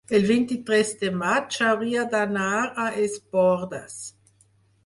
el vint-i-tres de maig hauria d'anar a Es Bòrdes.